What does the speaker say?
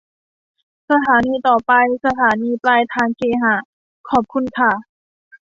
สถานีต่อไป สถานีปลายทางเคหะ ขอบคุณค่ะ